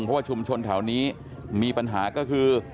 เพราะว่าชุมชนแถวนี้มีปัญหาก็คือ